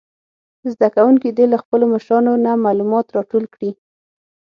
زده کوونکي دې له خپلو مشرانو نه معلومات راټول کړي.